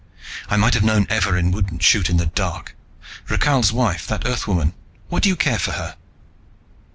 "I might have known Evarin wouldn't shoot in the dark! Rakhal's wife, that Earthwoman, what do you care for her?"